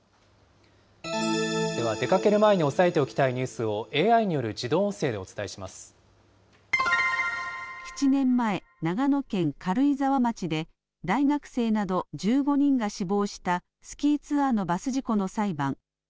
では、出かける前に押さえておきたいニュースを、ＡＩによる自動音声で７年前、長野県軽井沢町で、大学生など１５人が死亡したスキーツアーのバス事故の裁判。